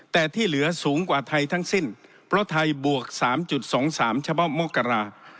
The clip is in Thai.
แต่ที่เหลือสูงกว่าไทยทั้งสิ้นเพราะไทยบวก๓๒๓เฉพาะมกรา